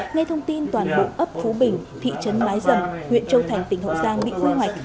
ngay thông tin toàn bộ ấp phú bình thị trấn mái dầm huyện châu thành tỉnh hậu giang bị quy hoạch